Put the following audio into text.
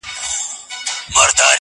د جرګو ورته راتلله رپوټونه!